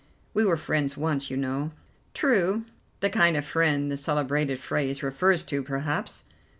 We were friends once, you know." "True; the kind of friend the celebrated phrase refers to, perhaps."